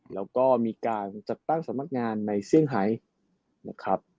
แล้วก็มีการจัดตั้งสำนักงานในเซี่ยงไฮนะครับ